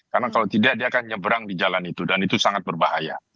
karena kalau tidak dia akan nyebrang di jalan itu dan itu sangat berbahaya